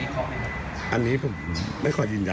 เรามีการตัดอะคอบไหมครับ